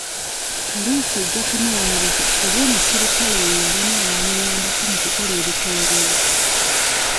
Poliisi ejja kunoonyereza oba omusirikale oyo yalina abamuyambako mu kukola ebikolobero.